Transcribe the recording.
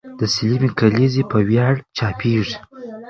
د سلمې کلیزې په ویاړ چاپېږي.